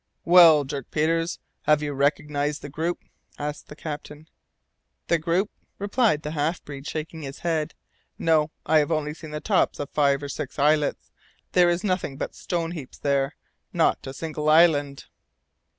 "Well, Dirk Peters! Have you recognized the group?" asked the captain. "The group?" replied the half breed, shaking his head. "No, I have only seen the tops of five or six islets. There is nothing but stone heaps there not a single island!"